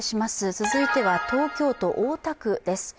続いては東京都大田区です。